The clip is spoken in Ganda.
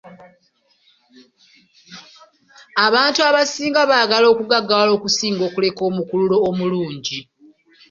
Abantu abasinga baagala okugaggawala okusinga okuleka omukululo omulungi.